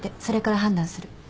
それから判断する。